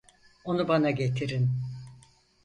Onu bana getirin.